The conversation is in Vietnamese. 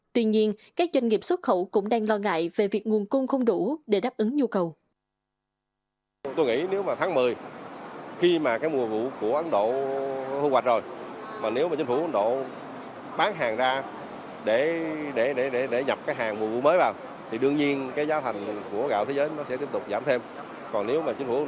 tuy nhiên các doanh nghiệp xuất khẩu cũng đang lo ngại về việc nguồn cung không đủ để đáp ứng nhu cầu